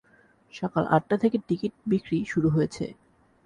সকাল আটটা থেকে টিকিট বিক্রি শুরু হয়েছে।